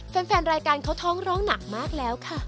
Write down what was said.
แฟนรายการเขาท้องร้องหนักมากแล้วค่ะ